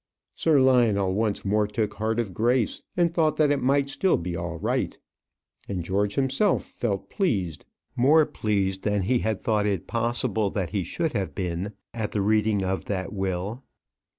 Sir Lionel once more took heart of grace, and thought that it might still be all right. And George himself felt pleased; more pleased than he had thought it possible that he should have been at the reading of that will.